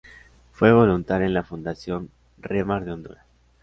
Fue voluntaria en la Fundación Remar de Honduras.